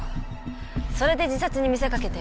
それで自殺に見せかけて。